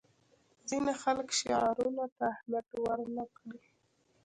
ځینې خلک شعارونو ته اهمیت ورنه کړي.